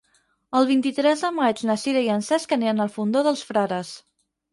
El vint-i-tres de maig na Sira i en Cesc aniran al Fondó dels Frares.